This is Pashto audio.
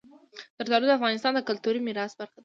زردالو د افغانستان د کلتوري میراث برخه ده.